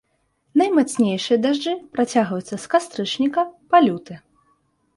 Наймацнейшыя дажджы працягваюцца з кастрычніка па люты.